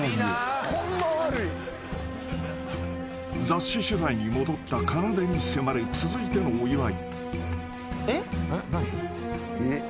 ［雑誌取材に戻ったかなでに迫る続いてのお祝い］